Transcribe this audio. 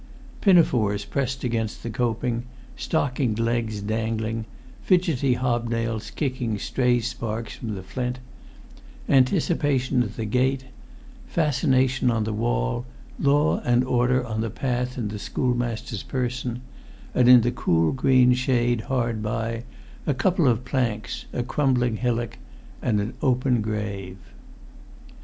Pinafores pressed against the coping, stockinged legs dangling, fidgety hob nails kicking stray sparks from the flint; anticipation at the gate, fascina[Pg 2]tion on the wall, law and order on the path in the schoolmaster's person; and in the cool green shade hard by, a couple of planks, a crumbling hillock, an open grave.